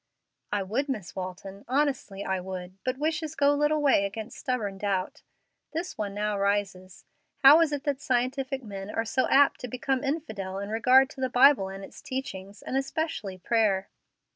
"I would, Miss Walton, honestly I would; but wishes go little way against stubborn doubt. This one now rises: How is it that scientific men are so apt to become infidel in regard to the Bible and its teachings, and especially prayer?"